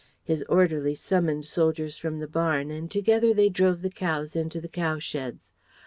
His orderly summoned soldiers from the barn and together they drove the cows into the cow sheds.